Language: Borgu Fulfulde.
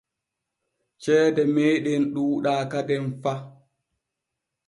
Ceede meeɗen ɗuuɗaa kaden fa.